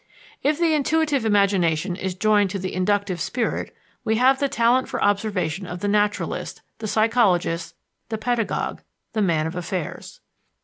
If the intuitive imagination is joined to the inductive spirit we have the talent for observation of the naturalist, the psychologist, the pedagogue, the man of affairs.